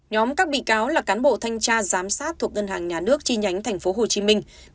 nhóm các bị cáo là cán bộ thanh tra giám sát thuộc ngân hàng nhà nước chi nhánh tp hcm